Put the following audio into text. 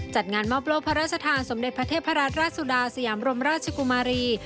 จัดงานมอบโลกพระราชทานสมเด็จพระเทพรัตนราชสุดาสยามรมราชกุมารี